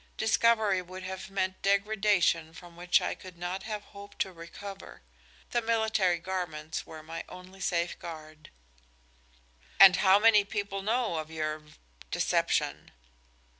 Discovery would have meant degradation from which I could not have hoped to recover. The military garments were my only safeguard." "And how many people know of your deception?"